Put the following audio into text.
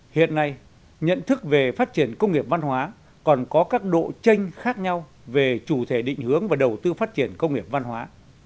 hiện nay nhận thức về phát triển công nghiệp văn hóa còn có các độ tranh khác nhau về chủ thể định hướng và đầu tư phát triển công nghiệp văn hóa